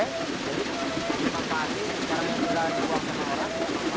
jadi kita memanfaatkan barang yang sudah dibuang sama orang lain